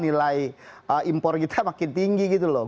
nilai impor kita makin tinggi gitu loh